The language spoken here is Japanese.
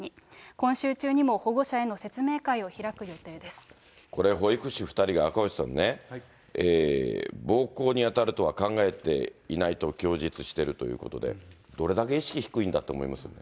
今週中にも保護者への説明会を開これ、保育士２人が赤星さんね、暴行に当たるとは考えていないと供述しているということで、どれだけ意識低いんだって思いますよね。